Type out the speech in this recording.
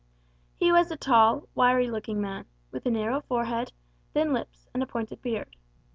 He was a tall, wiry looking man, with a narrow forehead, thin lips, and a pointed beard.